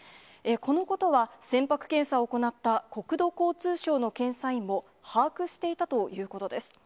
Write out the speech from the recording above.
このことは、船舶検査を行った国土交通省の検査員も把握していたということです。